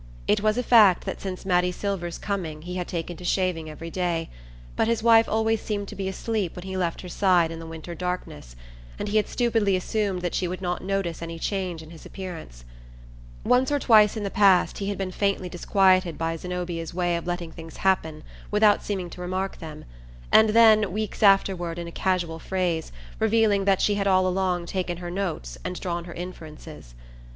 It was a fact that since Mattie Silver's coming he had taken to shaving every day; but his wife always seemed to be asleep when he left her side in the winter darkness, and he had stupidly assumed that she would not notice any change in his appearance. Once or twice in the past he had been faintly disquieted by Zenobia's way of letting things happen without seeming to remark them, and then, weeks afterward, in a casual phrase, revealing that she had all along taken her notes and drawn her inferences.